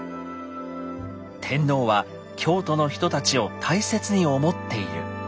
「天皇は京都の人たちを大切に思っている」。